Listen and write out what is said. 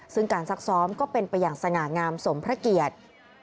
ซึ่งการซักซ้อมก็เป็นไปอย่างสง่างามสมพระเกียรติ